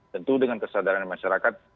tentu dengan kesadaran masyarakat